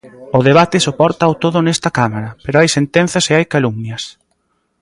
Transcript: O debate sopórtao todo nesta Cámara, pero hai sentenzas e hai calumnias.